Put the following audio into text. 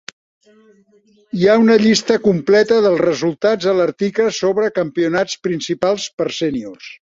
Hi ha una llista completa dels resultats a l'article sobre campionats principals per séniors.